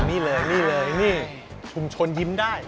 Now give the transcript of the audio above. นี่เลยชุมชนยิ้มได้